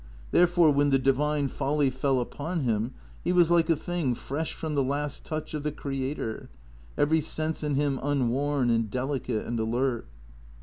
Therefore, when the divine folly fell upon him, he was like a thing fresh from the last touch of the creator, every sense in him unworn and delicate and alert.